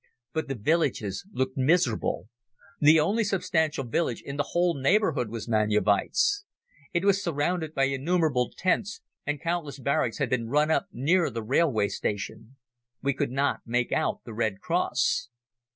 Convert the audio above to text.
But the villages looked miserable. The only substantial village in the whole neighborhood was Manjewicze. It was surrounded by innumerable tents, and countless barracks had been run up near the railway station. We could not make out the Red Cross.